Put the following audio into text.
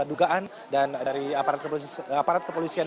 dugaan dari aparat kepolisian